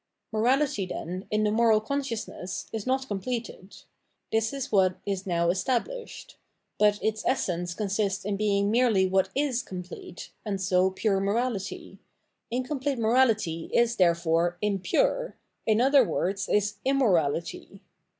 Morality, then, in the moral consciousness, is not completed. This is what is now estabhshed. But its essence consists in being merely what is complete, and so pure morality : incomplete morality is, therefore, impure, in other words, is Immorahty.